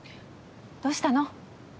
どうしたの？